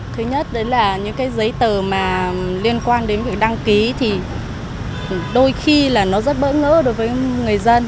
thứ nhất là những giấy tờ liên quan đến việc đăng ký đôi khi rất bỡ ngỡ đối với người dân